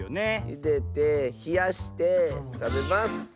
ゆでてひやしてたべます。